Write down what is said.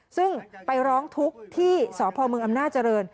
ซึ่งไปร้องทุกข์ที่สพเมืองอำนาจเจริญ